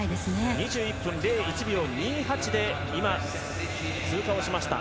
２１分０１秒２８で今、通過しました。